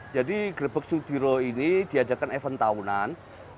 jadi gerbek sudiro ini diadakan event tahunan